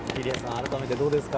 改めて、どうですか？